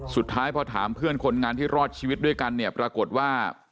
สุดท้ายพอถามเพื่อนคนงานที่รอดชีวิตด้วยกันเนี่ยปรากฏว่า